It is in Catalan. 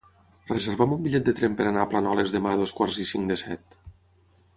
Reserva'm un bitllet de tren per anar a Planoles demà a dos quarts i cinc de set.